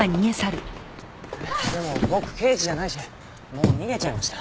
でも僕刑事じゃないしもう逃げちゃいました。